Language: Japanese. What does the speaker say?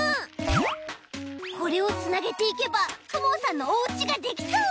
これをつなげていけばくもさんのおうちができそう！